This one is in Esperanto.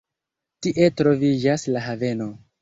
Tie troviĝas la haveno.